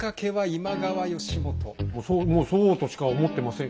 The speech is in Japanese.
もうそうとしか思ってません。